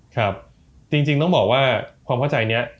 ครับจริงต้องบอกว่าความเข้าใจนี้